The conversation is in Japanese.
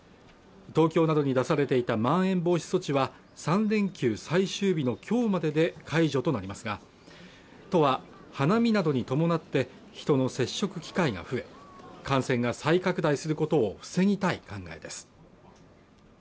東京などに出されていたまん延防止措置は３連休最終日の今日までで解除となりますが都は花見などに伴って人の接触機会が増え感染が再拡大することを防ぎたい考えです